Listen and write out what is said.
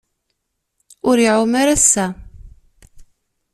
Ur iɛum ara ass-a.